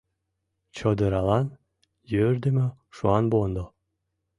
Чодыралан йӧрдымӧ шуанвондо